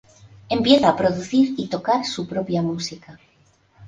Empieza a producir y tocar su propia música.